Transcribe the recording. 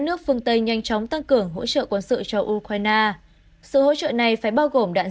nước phương tây nhanh chóng tăng cường hỗ trợ quân sự cho ukraine sự hỗ trợ này phải bao gồm đạn